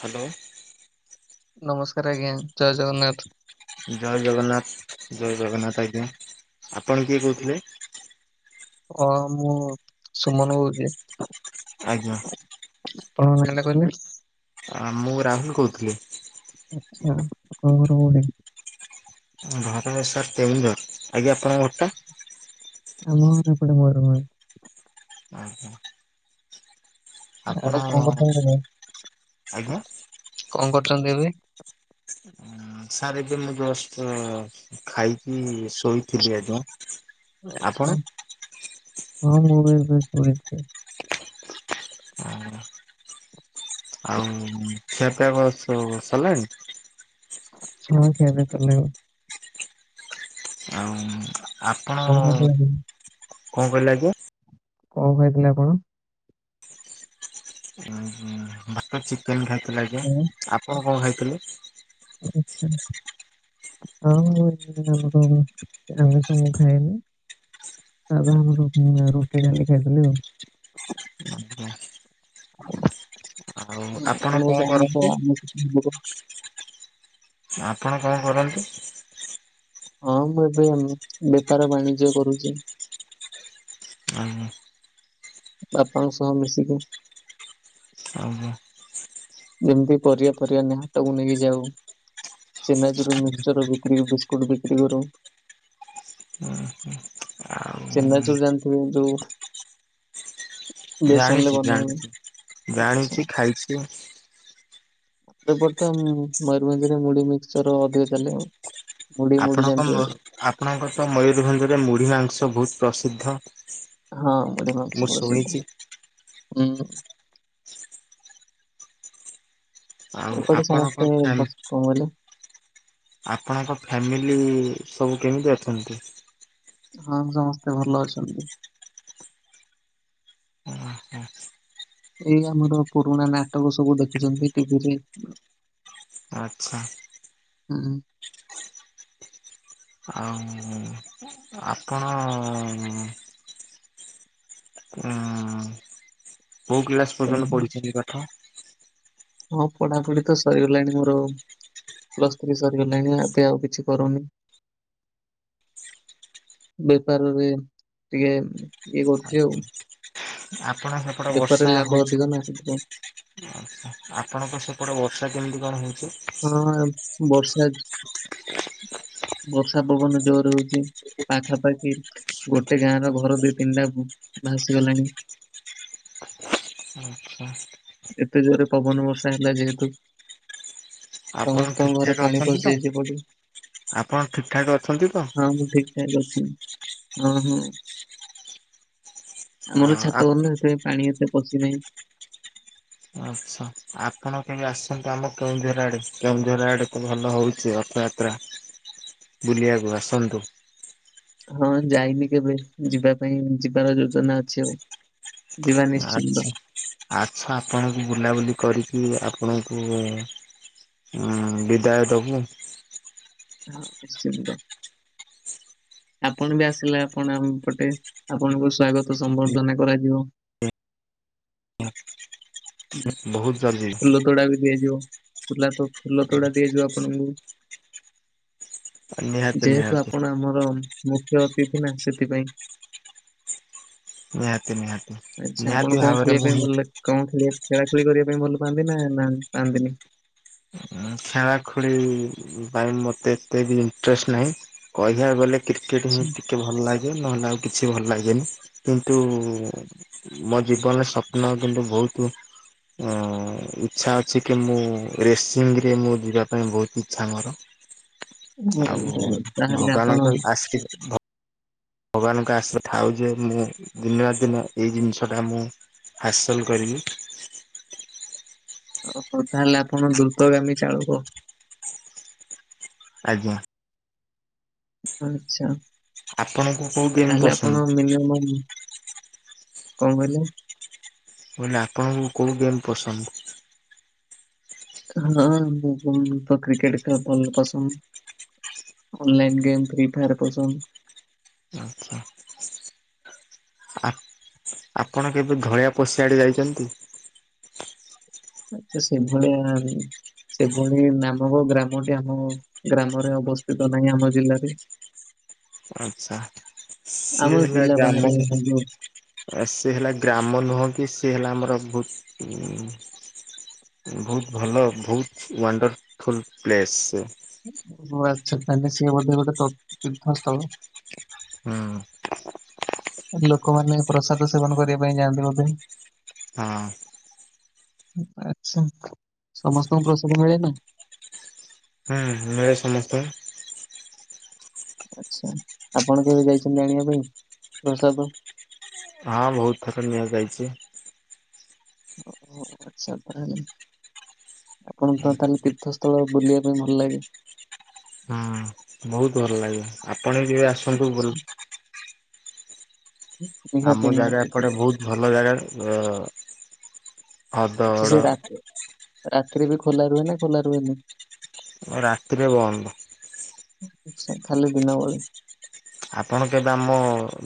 Hello. ନମସ୍କାର ଆଜ୍ଞା ଜୟ ଜଗନ୍ନାଥ। ଜୟ ଜଗନ୍ନାଥ ଜୟ ଜଗନ୍ନାଥ ଆଜ୍ଞା ଆପଣ କିଏ କହୁଥିଲେ। ଓ ଏ‌ ମୁଁ ସୁମନ କହୁଛି। ଆଜ୍ଞା। ଆପଣଙ୍କ ନା ଟା କହିଲେ। ଆ ମୁଁ ରାହୁଲ କହୁଥିଲି। ଆଛା ଆପଣଙ୍କ ଘର କୋଉଠି। ଘର ଏ ସାର୍ କେଉଁଝର ଆଜ୍ଞ ଆପଣଙ୍କ ଘର ଟା। ଆମ ଘର ଏପଟେ ମୟୂରଭଞ୍ଜ। ଆଉ କଁ। ଆଉ କଁ କରୁଛନ୍ତି ଏବେ ଆଜ୍ଞା କଁ କରୁଛନ୍ତି ଏବେ। ଉଁ ସାର୍ ଏବେ ମୁଁ ଜଷ୍ଟ। ଖାଇକି ଶୋଇଥିଲି ଆଜ୍ଞା। ଆପଣ? ଆଛା ହଁ ମୁଁ ବି ଏବେ ଶୋଇଛି। ହୁଁ। ଆଉ ଖିଆପିଆ କଁ ସବୁ ସରିଲାଣି। ହଁ ଖିଆ ପିଆ ସରିଲାଣି। ଆଉ ଆପଣ କଣ ଖାଇଥିଲେ ଆପଣ? କଁ କହିଲେ ଆଜ୍ଞା। କଣ କହିଥିଲେ ଆପଣ? ବଟର ଚିକେନ ଖାଇଥିଲେ ଆଜ୍ଞା ଆପଣ କଣ ଖାଇଥିଲେ? ଆଚ୍ଛା। [unintelligible] ସାଦା ଆମର ରୁଟି ଡାଲି ଖାଇଥିଲି ଆଉ ଆା ଆପଣ କଣ ବୋଧେ ଆମେ ତ କରନ୍ତି? ଆମକୁ? ଆପଣ କଣ କରନ୍ତି? ହଁ ମୁଁ ଏବେ ବେପାର ବାଣିଜ୍ୟ କରୁଛି। ହ ବାପାଙ୍କ ସହ ମିଶିକି ଅହ। ଯେମିତି ପରିବା ଫରିବା ନେଇ ହାଟକୁ ନେଇକି ଯାଉ ଚେନ୍ନାଚୁର ମିକ୍ସଚର ବିକ୍ରି ବିସ୍କୁଟ ବିକ୍ରି କରୁ ହୁଁ ଆଉ ଚେନ୍ନାଚୁରୁ ଜାଣିଥିବେ ଯୋଉ ବେସନରେ ଜାଣିଛି ବନା ହୁଏ। ଜାଣିଛି ଆଚ୍ଛା ଜାଣିଛି ଖାଇଛି। ଏବେ ତ ମୟୂରଭଞ୍ଜରେ ମୁଢି ମିକ୍ସଚର ଅଧିକ ଚାଲେ ଆଉ ମୁଢି ମୁଢି ଆପଣଙ୍କ ଜାଣିଥିବେ ଆପଣଙ୍କ ତ ମୟୂରଭଞ୍ଜରେ ମୁଢି ମାଂସ ବହୁତ ପ୍ରସିଦ୍ଧ ହଁ ମୁଢ଼ି ମୁଁ ମାଂସ ପ୍ରସିଦ୍ଧ ଶୁଣିଛି ହୁଁ। ଆଉ ଏପଟେ ଆପଣଙ୍କ ସମସ୍ତେ ଫ୍ୟାମ୍ ବ କଣ କହିଲେ? ଆପଣଙ୍କ ଫ୍ୟାମିଲି ସବୁ କେମିତି ଅଛନ୍ତି? ହଁ ସମସ୍ତେ ଭଲ ଅଛନ୍ତି। ଓହୋ ଏଇ ଆମର ପୁରୁଣା ନାଟକ ସବୁ ଦେଖୁଛନ୍ତି ଟିଭିରେ ଆଛା। ହଁ। ଆଉ ଆପଣ? ଉ କୋଉ କ୍ଲାସ କଣ? ପର୍ଯ୍ୟନ୍ତ ପଢିଛନ୍ତି ପାଠ? ମୋ ପଢାପଢି ତ ସରିଗଲାଣି ମୋର ପ୍ଲସ୍ ଥ୍ରୀ ସରିଗଲାଣି ଏବେ ଆଉ କିଛି କରୁନି। ବେପାରରେ ଟିକେ ଇଏ କରୁଛି ଆଉ ଆପଣ ସେପଟେ ବେପାରରେ ବର୍ଷା ଲାଭ ହଉଛି ଅଧିକ କି? ନା ସେଥିପାଇଁ ଆଛା ଆପଣଙ୍କ ସେପଟେ ବର୍ଷା କେମିତି କଣ ହଉଛି? ହଁ ବର୍ଷା ବର୍ଷା ପବନ ଜୋରେ ହଉଛି ପାଖାପାଖି ଗୋଟେ ଗାଁ ର ଘର ଦିଇ ତିନିଟା ଭାସିଗଲାଣି ଆଛା ଏତେ ଜୋରେ ପବନ ବର୍ଷା ହେଲା ଯେହେତୁ ଆପଣ ସମସ୍ତଙ୍କ ଠିକ୍ ଘରେ ଠାକ୍ ପାଣି ଅଛନ୍ତି ତ? ପଶିଯାଇଛି ଏପଟେ ଆପଣ ଠିକ୍ ଠାକ୍ ଅଛନ୍ତି ତ? ହ ମୁଁ ଠିକ୍ ଠିକ୍ ଅଛି ହଁ ହଁ। ଆମର ଆଉ ଛାତ ଘର ଆପଣ ତ ସେଥିପାଇଁ ପାଣି ଏତେ ପଶିନାହିଁ। ଆଛା ଆପଣ କେବେ ଆସନ୍ତୁ ଆମ କେଉଁଝର ଆଡେ କେଉଁଝର ଆଡେ ତ ଭଲ ହଉଛି ରଥଯାତ୍ରା। ବୁଲିଆକୁୁ ଆସନ୍ତୁ। ହଁ ଯାଇନି କେବେ ଯିବା ପାଇଁ ଯିବାର ଯୋଜନା ଅଛି ଆଉ ଯିବା ନିଶ୍ଚିନ୍ତ ଆଛା ଆଛା ଆପଣଙ୍କୁ ବୁଲାବୁଲି କରିକି ଆପଣଙ୍କୁ ହୁଁ ବିଦାୟ ଦବୁ ହଁ ନିଶ୍ଚିତ ଆପଣ ବି ଆସିଲେ ଆମପଟେ ଆପଣଙ୍କୁ ସ୍ଵାଗତ ସମ୍ବର୍ଦ୍ଧନା କରାଯିବ [inaudible] ହ ବହୁତ ଜଲଦି ଫୁଲ ତୋଡା ବି ଦିଆଯିବ ଫୁଲ ତୋଡା ଦିଆଯିବ ଆପଣଙ୍କୁ ନିହାତି ଯେହେତୁ ନିହାତି ଆପଣ ଆମର ମୁଖ୍ୟ ଅତିଥି ନା ସେଥିପାଇଁ ନିହାତି ନିହାତି। ଆଛା ନିହାତି ଆପଣ କଣ ଭାବରେ ଖେଳିବା ମୁଁ ପାଇଁ ହିଁ ଭଲ ଲାଗେ? କଣ ଖେଳି ଖେଳା ଖେଳି କରିବା ପାଇଁ ଭଲ ପାଆନ୍ତି ନା ପାଆନ୍ତିନି? ଖେଳା ଖେଳି ପାଇଁ ମତେ ଏତେ ବି ଇଣ୍ଟରେଷ୍ଟ ନାହିଁ କହିବାକୁ ଗଲେ କ୍ରିକେଟ ଆଚ୍ଛା ହିଁ ଟିକେ ଭଲ ଲାଗେ ନହେଲେ ଆଉ କିଛି ଭଲ ଲାଗେନି କିନ୍ତୁ ମୋ ଜୀବନରେ ସ୍ୱପ୍ନ କିନ୍ତୁ ବହୁତ ଅ ଇଚ୍ଛା ଅଛି କି ମୁଁ ରେସି ସେ ମୁଁ ଯିବା ପାଇଁ ବହୁତ ଇଚ୍ଛା ମୋର। ହଉ ଆଉ ହଉ ତାହେଲେ ଆପଣ ଭଗବାନଙ୍କ ଆସି ଭଗବାନଙ୍କ ଆସ ଥାଉ ଯେ ମୁଁ ଦିନ ନା ଦିନ ଏଇ ଜିନିଷ ଟା ମୁଁ ହାସଲ କରିବି। ଓ ହଉ ତାହେଲେ ଆପଣ ଦ୍ରୁତଗାମୀ ଚାଳକ। ଆଜ୍ଞା। ଆଚ୍ଛା ଆପଣଙ୍କୁ କୋଉ ଗେମ୍ ତାହେଲେ ପସନ୍ଦ? ଆପଣ ମିନିମମ୍ କଣ କହିଲେ? କଇଲି ଆପଣଙ୍କୁ କେଉଁ ଗେମ୍ ପସନ୍ଦ? ହଁ ମୁଁ ତ କ୍ରିକେଟ ଖେଳ ପସନ୍ଦ। ଅନ୍ଲାଇନ ଗେମ୍ ଫ୍ରି ଫାୟର ପସନ୍ଦ। [inaudible] ଆପଣ କେବେ ଧଳିଆ ପଷିଆଡ଼େ ଯାଇଛନ୍ତି? ଆଚ୍ଛା ସେଇଭଳିଆ ନା ସେଭଳି ନାମକ ଗ୍ରାମଟି ଆମ ଗ୍ରାମରେ ଅବସ୍ଥିତ ନାହିଁ ଆମ ଜିଲ୍ଲାରେ [unintelligible] ଆଚ୍ଛା ସିଏ ଆମ ହେଲା ଜିଲ୍ଲା ଗ୍ରାମ ବାହାରେ କିନ୍ତୁ ସେ ହେଲା ଗ୍ରାମ ନୁହଁ କି ସେ ହେଲା ଆମର ବହୁତ ବହୁତ ଭଲ ବହୁତ ୱାଣ୍ଡରଫୁଲ ପ୍ଲେସ। ଓ ଆଚ୍ଛା ତାଲେ ସିଏ ବୋଧ ଗୋଟେ ତୀର୍ଥସ୍ଥଳ? ହଁ। ଲୋକମାନେ ପ୍ରସାଦ ସେବନ କରିବା ପାଇଁ ଯାଆନ୍ତି ବୋଧେ? ହଁ। ଆଛା ସମସ୍ତଙ୍କୁ ପ୍ରସାଦ ମିଳେ ନା? ହୁଁ ମିଳେ ସମସ୍ତଙ୍କୁ। ଆଚ୍ଛା ଆପଣ କେବେ ଯାଇଛନ୍ତି ଆଣିବା ପାଇଁ ପ୍ରସାଦ? ହଁ ବହୁତ ଥର ନିଆ ଯାଇଛି। ଓୋ ଆଚ୍ଛା। ଆପଣଙ୍କ ହୁଁ ତାହେଲେ ତୀର୍ଥସ୍ଥଳ ବୁଲିବା ପାଇଁ ଭଲ ଲାଗେ? ହୁଁ ବହୁତ ଭଲ ଲାଗେ ଆପଣ ଯବେ ଆସନ୍ତୁ ଆଚ୍ଛା ବୁ [unintelligible] ଆମ ଜାଗା ନିହାତି ଏପଟେ ବହୁତ ଭଲ ଜାଗା ଅ ଆଚ୍ଛା ସେ ରା ରାତିରେ ବି ଖୋଲା ରୁହେନି ଖୋଲା ରୁହେନି? ରାତିରେ ବନ୍ଦ। ଖାଲି ଦିନ ବଳି। ଆପଣ କେବେ ଆମ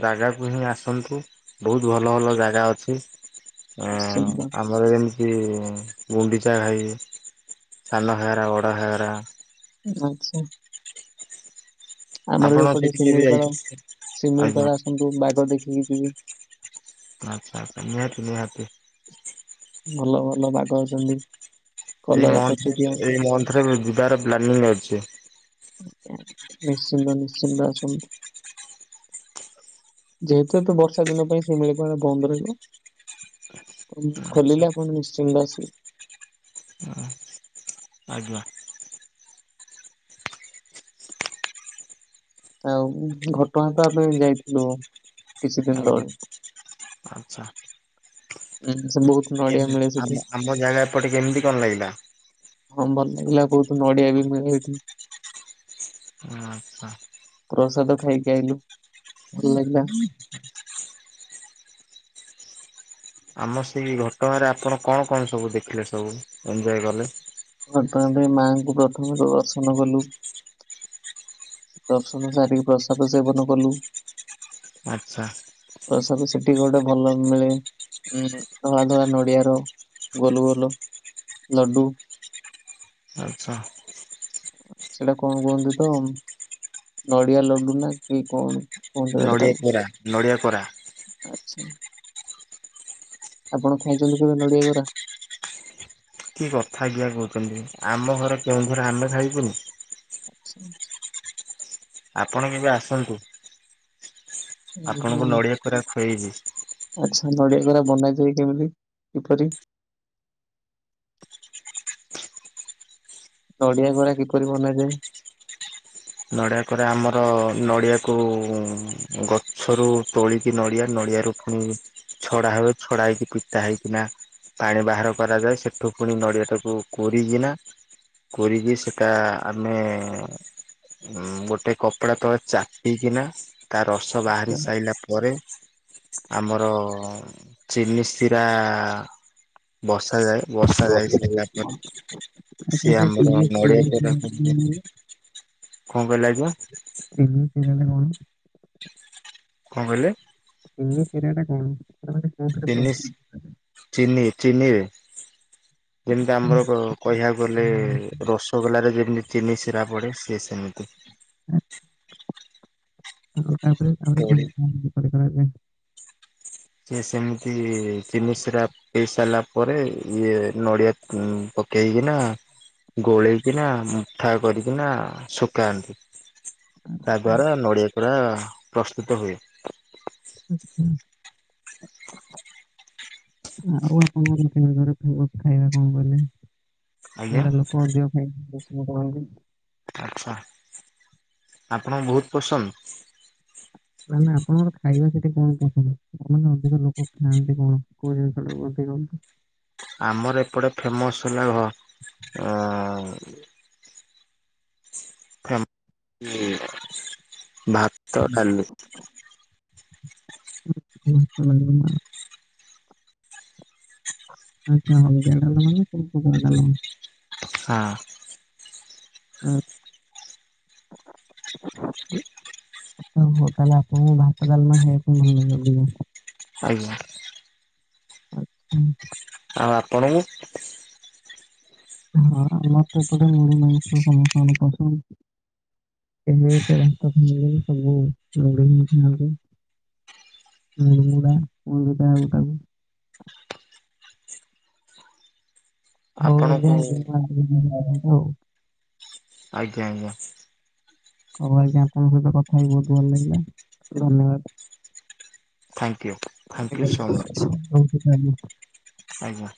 ଜାଗାକୁ ହିଁ ଆସନ୍ତୁ ବହୁତ ଭଲ ଭଲ ଜାଗା ଅଛି। ନିଶ୍ଚିନ୍ତ [unintelligible] ଆମର ଯେମିତି ଗୁଣ୍ଡିଚା ଘାଇ ସାନ ଘାଗରା ବଡ଼ ଘାଗରା। ଆଚ୍ଛା। ଆମର ବି ଆପଣ ଏପଟେ ସେଇଠି କେବେ ଶିମିଳିପାଳ ଯାଇଛନ୍ତି? ଆଜ୍ଞା ଶିମିଳିପାଳ ଆସନ୍ତୁ ବାଘ ଦେଖିକି ଯିବେ। ଆଚ୍ଛା ଆଚ୍ଛା ନିହାତି ନିହାତି। ଭଲ ଭଲ ବାଘ ଅଛନ୍ତି। ଏଇ କଲରା ମଂଥ ପତରିଆ ରେ ଏଇ ମଂଥ ରେ ଯିବାର ପ୍ଲାନିଂ ଅଛି। ନିଶ୍ଚିନ୍ତ ନିଶ୍ଚିନ୍ତ ଆସନ୍ତୁ ଯେହେତୁ ଏବେ ବର୍ଷା ଦିନ ପାଇଁ ଶିମିଳିପାଳ ବନ୍ଦ ରହିବ। ଆଚ୍ଛା ଖୋଲିଲେ ଆପଣ ନିଶ୍ଚିନ୍ତ ଆସିବେ। ଆଜ୍ଞା। ଆଉ ଘଟଗାଁ ତ ଆମେ ଯାଇଥିଲୁ କିଛି ଦିନ ଆଜ୍ଞା ତଳେ। ଉଁ, ସେ ବହୁତ ନଡିଆ ମିଳେ କେମିତି ସେଠି ଆମ ଆମ ଜାଗା ଏପଟେ କେମିତି କଣ ଲାଗିଲା? ହଁ ଭଲ ଲାଗିଲା ବହୁତୁ ନଡିଆ ବି ମିଳେ ଏଇଠି ଆଚଛା। ପ୍ରସାଦ ଖାଇକି ଆଇଲୁ ଭଲ ଲାଗିଲା। ଆମ ସେଇ ଘଟଗାଁରେ ଆପଣ କଣ କଣ ସବୁ ଦେଖିଲେ ସବୁ ଏଞଜୟ କଲେ? ଘଟଗାଁ ମାଆଙ୍କୁ ପ୍ରଥମେ ପ୍ରଦର୍ଶନ କଲୁ। ଦର୍ସନ ସାରିକି ପ୍ରସାଦ ସେବନ କଲୁ। ଆଚ୍ଛା। ପ୍ରସାଦ ସେଠି ଗୋଟେ ଭଲ ମିଳେ ଉଁ ଧଳା ଧଳା ନଡିଆର। ଗୋଲ ଗୋଲ ଲଡୁ। ଆଚ୍ଛା। ସେଇଟା କଣ କୁହନ୍ତି ତ ନଡିଆ ଲଡୁ ନା କି କଣ। କୁହନ୍ତି ଗୋଟେ ନଡିଆ ତାକୁ କରା ନଡ଼ିଆ କୋରା। ଆଚ୍ଛା। ଆପଣ ଖାଇଛନ୍ତି କେବେ ନଡିଆ ଗରା। କି କଥା ଆଜ୍ଞା କହୁଛନ୍ତି ଆମ ଘର କେଉଁଝର ଆମେ ଖାଇବୁନି। ଆଚ୍ଛା। ଆପଣ କେବେ ଆସନ୍ତୁ ଉଁ ଆପଣଙ୍କୁ ହୁଁ ନଡିଆ କୋରା ଖୁଆଇବି। ଆଚ୍ଛା ନଡିଆ କୋରା ବଣାଯାଏ କେମିତି କିପରି? ନଡିଆ ଗରା କିପରି ବନାଯାଏ? ନଡ଼ିଆ କରେ ଆମର ନଡ଼ିଆକୁ ଗଛରୁ ତୋଳିକି ନଡ଼ିଆ ନଡ଼ିଆରୁ। ପଣି ଛଡା ହୁଏ ଛଡା ହେଇକି ପିଟା ହେଇକିନା। ପାଣି ବାହାର କରାଯାଏ ସେଠୁ ପୁଣି ନଡିଆ ଟାକୁ କୋରିକିନା। କରିକି ସେଇଟା ଆମେ। ଉ ଗୋଟେ କପଡା ତଳେ ଚାପିକିନା ତା ରସ ବାହାରି ଆଚ୍ଛା। ସାରିଲା ପରେ ଆମର ଚିନି ଶିରା ବସାଯାଏ। ବର୍ଷା ଯାଇ ସାରିଲା ପରେ ଆଚ୍ଛା ସିଏ ସେ ଆମର ଚିନି ନଡ଼ିଆ ଚିନି କୋରା। ଚିନି ଚିନି କଣ କହିଲେ ଆଜ୍ଞା? [unintelligible] କଣ କହିଲେ? କିମି ସେେରିଆଟା କଣୁ। [unintelligible] ଚିନି ଚିନି ଚିନିରେ ଯେମିତି ଆଚ୍ଛା, ଆମର। କହିବାକୁ ଗଲେ ରସଗୋଲାରେ ଯେମିତି ଚିନି ଶିରା ପଡ଼େ ସିଏ ସେମିତି। ଆଚ। [inaudible] ଆଉ ତାପରେ ପଡି କରାଯାଏ। [unintelligible] ସେମିତି ଚିନି ସିରା ପିଇ ସାରିଲା ପରେ ଇଏ ନଡିଆ ପକେଇକିନା ଗୋଳେଇକିନା ମୁଠା କରିକିନା ଶୁଖାନ୍ତି। ତା ଦ୍ୱାରା ନଡ଼ିଆ କୋରା ପ୍ରସ୍ତୁତ ହୁଏ। ହୁଁ ହୁଁ। [inaudible] ଆଉ ଆପଣଙ୍କ କେ ଘରେ [unintelligible] ଖାଇବା କଣ କଲେ। ଆଜ୍ଞା ସେଗୁଡ଼ା ଲୋକ ଅଧିକ ଖାଇବା ପାଇଁ ପସନ୍ଦ କରନ୍ତି। ଆଛା ଆପଣଙ୍କୁ ବହୁତ ପସନ୍ଦ। ମାନେ ଆପଣଙ୍କର ଖାଇବା ସେଠି କଣ କଣ? ମାନେ ଅଧିକ ଲୋକ ଖାଆନ୍ତି କଣ? କୋଉ ଜିନିଷଟା କୁ ଅଧିକ ଆମର ଏପଟେ ଫେମସ୍ ହେଲା ଘ ଭ। [inaudible] ତ ନି। [unintelligible] ଆ। [inaudible] ଆଚ୍ଛା ଭଲ ବଲ ମାନେ କାଗଲ। [unintelligible] ହଁ। ହୁଁ। [inaudible] ହଉ ତାହେଲେ ଆପଣଙ୍କୁ ଭାତଡାଲମା ଖାଇବାକୁ ଭଲ ଲାଗେ ଅଧି ଆଜ୍ଞା। ଆଚ୍ଛା [unintelligible] ଆଉ ଆପଣଙ୍କୁ? ହଁ ମାତ ତ ପ ମି ମ ସମପ [unintelligible] କେ ଏତେ ଭାତ ଖା ସବୁ ଲଢ ଖଣ [unintelligible] ମୁ ମୁଡା ମୁଳଗଟା ଗୋଟାକୁ [unintelligible] ହଉ ଏବେ ଆପଣଙ୍କୁ ହଉ [unintelligible] ଆଜ୍ଞା। ହୋଉ ଆଜ୍ଞା ଆପଣଙ୍କ ସହିତ କଥା ହେଇକି ବହୁତ ଭଲ ଲାଗିଲା ଧନ୍ୟବାଦ। Thank you. ହଉ ସେ ତା [unintelligible] ଆଜ୍ଞା।